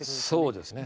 そうですね。